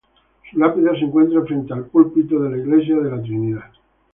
Su lápida se encuentra frente al púlpito de la Iglesia Santísima Trinidad.